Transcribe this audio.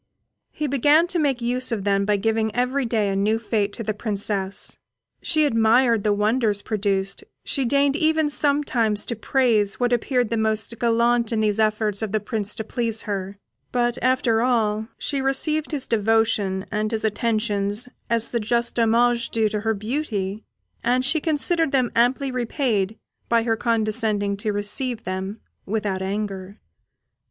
He began to make use of them by giving every day a new fête to the Princess. She admired the wonders produced, she deigned even sometimes to praise what appeared the most gallant in these efforts of the Prince to please her; but after all, she received his devotion and his attentions as the just homage due to her beauty, and she considered them amply repaid by her condescending to receive them without anger.